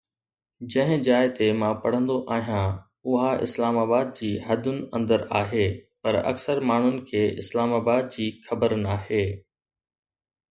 جنهن جاءِ تي مان پڙهندو آهيان، اها اسلام آباد جي حدن اندر آهي، پر اڪثر ماڻهن کي اسلام آباد جي خبر ناهي.